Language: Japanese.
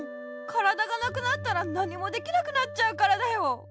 からだがなくなったらなにもできなくなっちゃうからだよ！